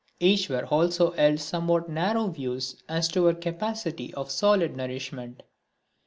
Iswar also held somewhat narrow views as to our capacity for solid nourishment.